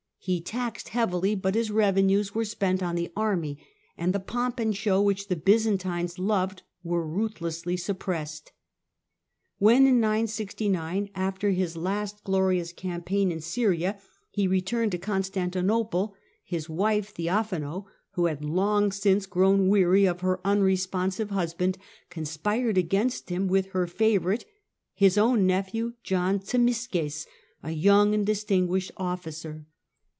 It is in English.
He taxed heavily, but his revenues were spent on the army, and the pomp and show which the Byzantines loved were ruthlessly suppressed. When in 969, after his last glorious campaign in Syria, he returned to Constantinople, his wife, Theo phano, who had long since grown weary of her unrespon sive husband, conspired against him with her favourite, his own nephew, John Zimisces, a young and distin guished officer.